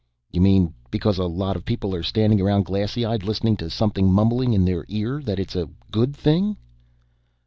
"You mean because a lot of people are standing around glassy eyed listening to something mumbling in their ear that it's a good thing?"